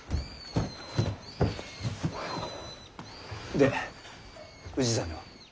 で氏真は？